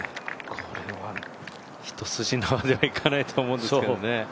これは一筋縄ではいかないと思うんですけどね。